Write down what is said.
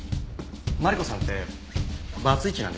マリコさんってバツイチなんでしょ？